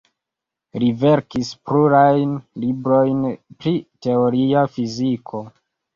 Li verkis plurajn librojn pri teoria fiziko.